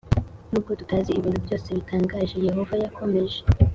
Nubwo tutazi ibintu byose bitangaje Yehova yakomeje